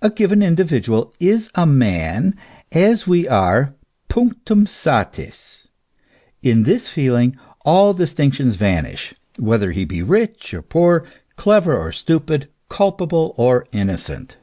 A given individual is a man as we are ; punctuin satis ; in this feeling all distinctions vanish, whether he be rich or poor, clever or stupid, culpable or innocent.